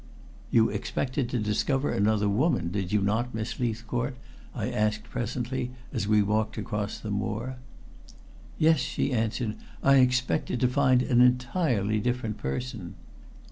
"You expected to discover another woman, did you not, Miss Leithcourt?" I asked presently, as we walked across the moor. "Yes," she answered. "I expected to find an entirely different person."